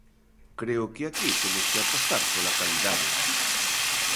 Creo que aquí temos que apostar pola calidade.